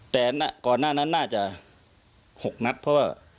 แต่ก่อนหน้านั้นน่าจะ๖นัดเพราะว่า